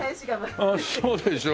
そうでしょ。